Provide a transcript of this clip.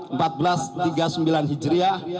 empat belas tiga sembilan hijriyah